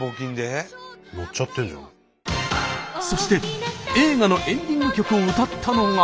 そして映画のエンディング曲を歌ったのが。